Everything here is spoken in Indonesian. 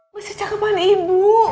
masih cakepan ibu